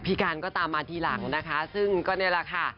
การก็ตามมาทีหลังนะคะซึ่งก็นี่แหละค่ะ